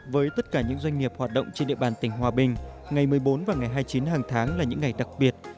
với tất cả những doanh nghiệp hoạt động trên địa bàn tỉnh hòa bình ngày một mươi bốn và ngày hai mươi chín hàng tháng là những ngày đặc biệt